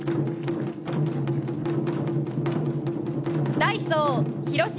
ダイソー・広島。